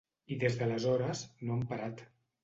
I des d’aleshores, no han parat.